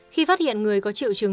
khi phát hiện người có triệu chứng